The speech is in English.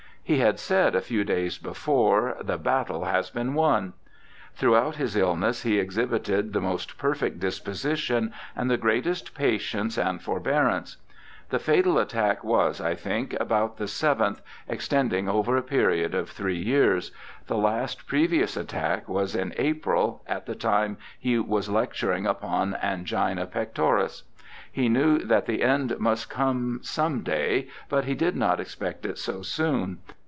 He had said a few days before "the battle has been won". Throughout his illness he exhibited the most perfect disposition and the greatest patience and forbearance. ... The fatal attack was, I thmk, about the seventh, extending over a period of three years ; the last previous attack was in April, at the time he was lecturmg upon angina pectoris. He knew that the end must come some day, but he did not expect it so soon.